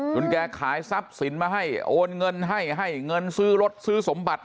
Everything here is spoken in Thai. คุณแกขายทรัพย์สินมาให้โอนเงินให้ให้เงินซื้อรถซื้อสมบัติ